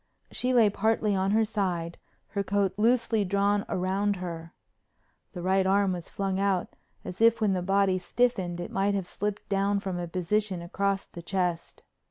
She lay partly on her side, her coat loosely drawn round her. The right arm was flung out as if when the body stiffened it might have slipped down from a position across the chest.